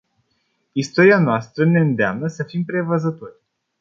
Istoria noastră ne îndeamnă să fim prevăzători.